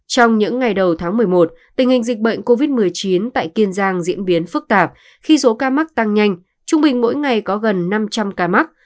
trong những ngày đầu tháng một mươi một tình hình dịch bệnh covid một mươi chín tại kiên giang diễn biến phức tạp khi số ca mắc tăng nhanh trung bình mỗi ngày có gần năm trăm linh ca mắc